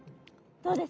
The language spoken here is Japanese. どうです？